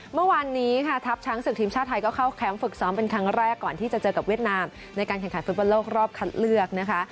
เมื่อวานนี้ค่ะทัพช้างศึกทีมชาติไทยก็เข้าแคมป์ฝึกซ้อมเป็นครั้งแรกก่อนที่จะเจอกับเวียดนามในการแข่งขันฟุตบอลโลกรอบคัดเลือกนะคะ